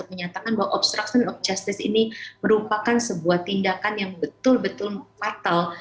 menyatakan bahwa obstruction of justice ini merupakan sebuah tindakan yang betul betul fatal